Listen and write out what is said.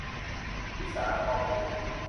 วิสาร ทองอยู่